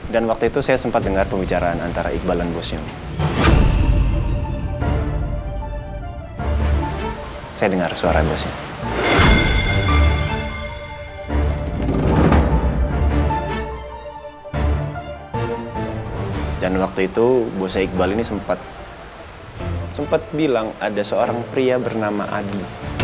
dan waktu itu bosa iqbal ini sempat bilang ada seorang pria bernama adi